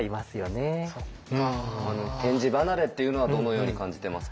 点字離れっていうのはどのように感じてますか？